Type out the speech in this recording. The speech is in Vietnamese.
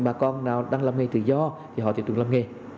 một bà con nào đang làm nghề tự do thì họ tự làm nghề